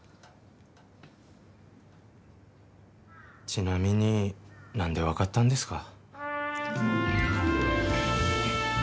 ちなみになんで分かったんですか？